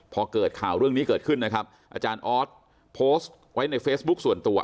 พอเกิดข่าวเรื่องนี้เกิดขึ้นนะครับอาจารย์ออสโพสต์ไว้ในเฟซบุ๊คส่วนตัว